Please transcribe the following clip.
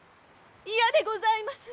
嫌でございます！